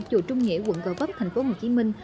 chùa trung nghĩa quận gò vấp thành phố hồ chí minh